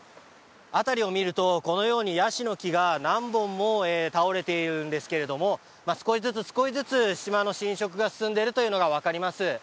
辺りを見ると、このようにヤシの木が何本も倒れていますが少しずつ島の侵食が進んでいるのが分かります。